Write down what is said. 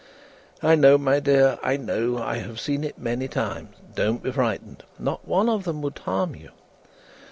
"I know, my dear, I know. I have seen it many times. Don't be frightened! Not one of them would harm you."